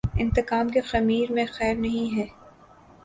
انتقام کے خمیر میںخیر نہیں ہے۔